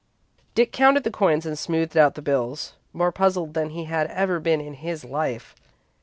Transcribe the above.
Dick counted the coins and smoothed out the bills, more puzzled than he had ever been in his life.